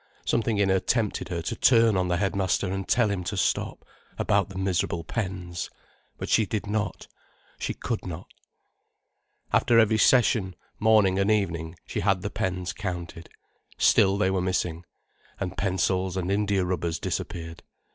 Something in her tempted her to turn on the headmaster and tell him to stop, about the miserable pens. But she did not. She could not. After every session, morning and evening, she had the pens counted. Still they were missing. And pencils and india rubbers disappeared.